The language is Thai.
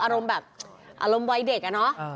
อารมณ์แบบอารมณ์วัยเด็กอะเนาะ